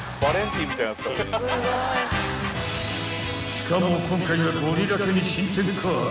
［しかも今回はゴリラ家に］